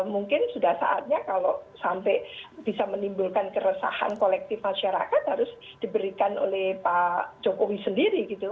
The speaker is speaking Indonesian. mungkin sudah saatnya kalau sampai bisa menimbulkan keresahan kolektif masyarakat harus diberikan oleh pak jokowi sendiri gitu